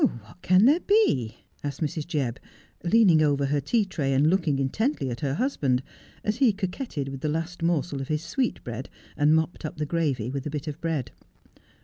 ' What can there be 1 ' asked Mrs. Jebb, leaning over her tea tray and looking intently at her husband, as he coquetted with the last morsel of his sweetbread, and mopped up the gravy with a bit of bread.